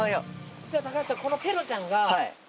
実は橋さんこのペロちゃんが。